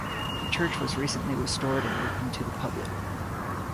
The church was recently restored and opened to the public.